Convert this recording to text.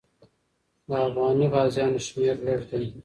د افغاني غازیانو شمېر لږ دی.